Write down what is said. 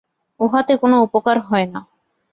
উহাতে কোন উপকার হয় না।